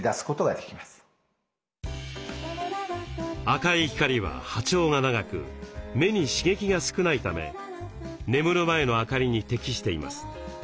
赤い光は波長が長く目に刺激が少ないため眠る前の明かりに適しています。